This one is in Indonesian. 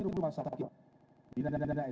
kita pergi kita perolehi